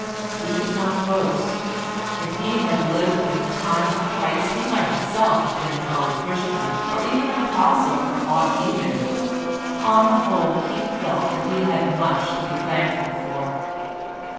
He could not boast; if he had lived in the time of Christ he might himself have been an early Christian, or even an Apostle for aught he knew. On the whole he felt that he had much to be thankful for.